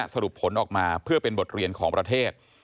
สรุปผลออกมาเพื่อเป็นบทเรียนของประเทศ